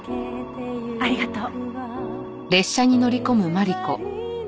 ありがとう。